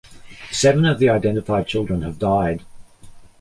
Seven of the identified children have died.